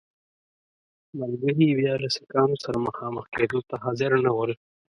ملګري یې بیا له سیکهانو سره مخامخ کېدو ته حاضر نه ول.